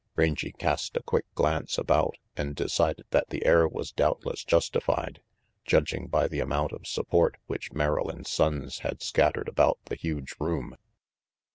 Rangy cast a quick glance about and decided that the air was doubtless justified, judging by the amount of support which Merrill and Sonnes had scattered about the huge room.